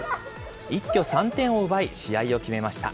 一挙３点を奪い、試合を決めました。